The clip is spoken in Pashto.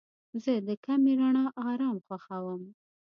زه د کمې رڼا آرام خوښوم.